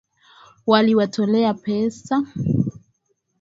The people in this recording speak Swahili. Waliwatolea pesa